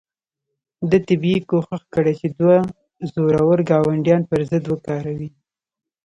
ده طبیعي کوښښ کړی چې دوه زورور ګاونډیان پر ضد وکاروي.